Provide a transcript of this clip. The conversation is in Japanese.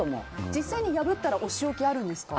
実際に破ったらお仕置きあるんですか？